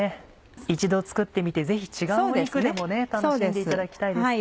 一度作ってみてぜひ違う肉でも楽しんでいただきたいですね。